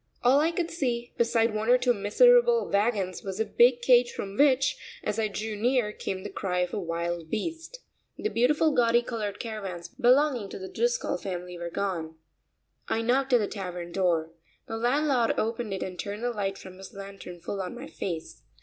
All I could see, beside one or two miserable wagons, was a big cage from which, as I drew near, came the cry of a wild beast. The beautiful gaudy colored caravans belonging to the Driscoll family were gone. I knocked at the tavern door. The landlord opened it and turned the light from his lantern full on my face.